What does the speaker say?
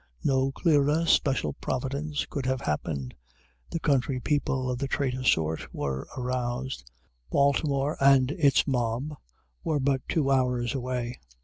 No clearer special Providence could have happened. The country people of the traitor sort were aroused. Baltimore and its mob were but two hours away.